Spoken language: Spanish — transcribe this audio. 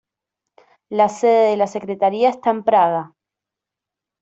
La sede de la secretaría esta en Praga.